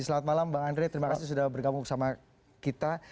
selamat malam bang andre terima kasih sudah bergabung sama kita